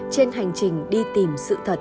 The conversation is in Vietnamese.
trên hành trình đi tìm sự thật